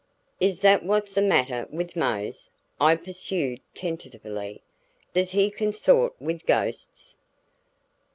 "Is that what's the matter with Mose?" I pursued tentatively. "Does he consort with ghosts?"